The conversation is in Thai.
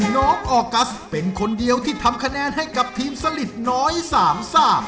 น้องออกัสเป็นคนเดียวที่ทำคะแนนให้กับทีมสลิดน้อยสามซ่า